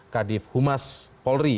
kadif humas polri